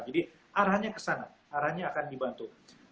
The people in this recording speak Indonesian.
jadi arahannya kesana arahannya akan dibantu